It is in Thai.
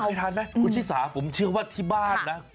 เคยทานไหมคุณชิสาผมเชื่อว่าที่บ้านนะ